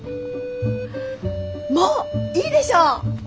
もういいでしょ！